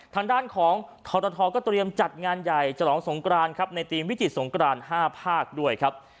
ทางด้านของทรทก็เตรียมจัดงานใหญ่ฉลองสงกรานครับในทีมวิจิตสงกราน๕ภาคด้วยครับ